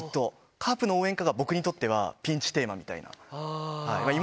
カープの応援歌が僕にとってはピンチテーマみたいな。